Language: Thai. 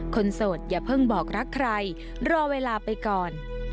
โสดอย่าเพิ่งบอกรักใครรอเวลาไปก่อน